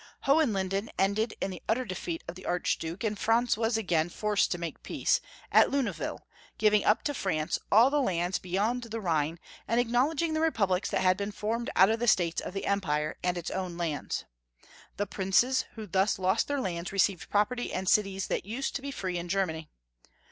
Hohenlinden ended in the utter defeat of the Arch duke, and Franz was again forced to make peace, at Luneville, giving up to France all the lands be yond the Rhine, and acknowledging the Republics that had been formed out of the states of the Em pire and its own lands. The princes who thus lost their lands received property and cities that used to be free in Germany.